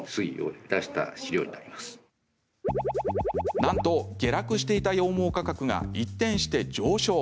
なんと下落していた羊毛価格が一転して上昇。